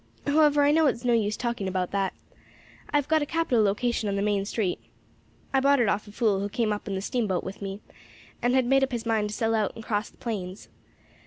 However, I know it's no use talking about that. I have got a capital location on the main street; I bought it off a fool who came up in the steamboat with me, and had made up his mind to sell out and cross the plains.